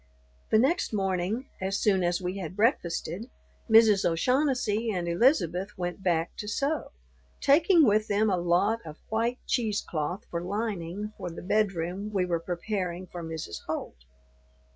The next morning, as soon as we had breakfasted, Mrs. O'Shaughnessy and Elizabeth went back to sew, taking with them a lot of white cheesecloth for lining for the bedroom we were preparing for Mrs. Holt.